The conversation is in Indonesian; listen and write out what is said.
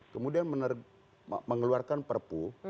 kemudian mengeluarkan perpu